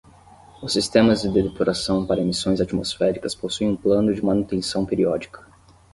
Os sistemas de depuração para emissões atmosféricas possuem um plano de manutenção periódica.